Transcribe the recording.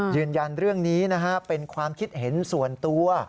ยืนยันเรื่องนี้นะฮะเป็นความคิดเห็นส่วนตัว